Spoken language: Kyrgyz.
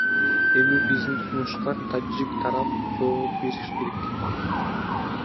Эми биздин сунушка тажик тарап жооп бериши керек.